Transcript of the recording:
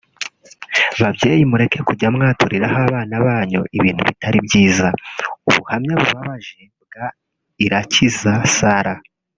Babyeyi mureke kujya mwaturiraho abana banyu ibintu bitari byiza (Ubuhamya bubabaje bwa Irakiza Sarah)